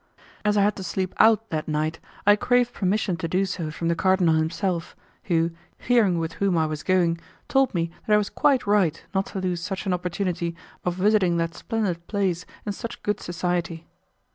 As I had to sleep out that night, I craved permission to do so from the cardinal himself, who, hearing with whom I was going, told me that I was quite right not to lose such an opportunity of visiting that splendid place in such good society.